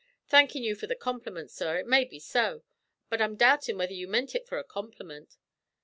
"Thankin' you for the complimint, sorr, ut may be so; but I'm doubtin' whether you mint ut for a complimint.